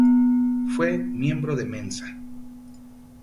Fue miembro de Mensa.